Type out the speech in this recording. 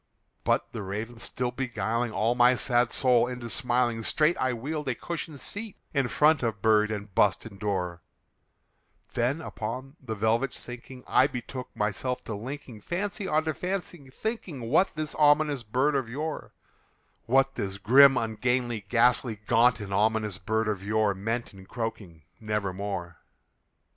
'" But the Raven still beguiling all my sad soul into smiling, Straight I wheeled a cushioned seat in front of bird and bust and door; Then, upon the velvet sinking, I betook myself to linking Fancy unto fancy, thinking what this ominous bird of yore What this grim, ungainly, ghastly, gaunt, and ominous bird of yore Meant in croaking "Nevermore."